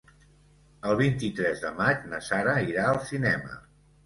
El vint-i-tres de maig na Sara irà al cinema.